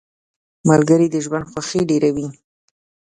• ملګري د ژوند خوښي ډېروي.